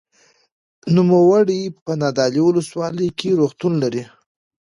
نوموړی په نادعلي ولسوالۍ کې روغتون لري.